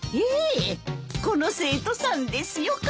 ええこの生徒さんですよ